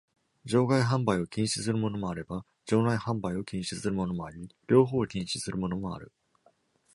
場外販売を禁止するものもあれば、場内販売を禁止するものもあり、両方を禁止するものもある。